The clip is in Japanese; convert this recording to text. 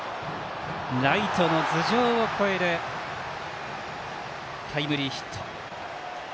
ライトの頭上を越えるタイムリーヒット。